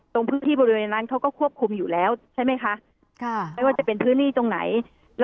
ตรงพื้นที่บริเวณนั้นเขาก็ควบคุมอยู่แล้วใช่ไหมคะ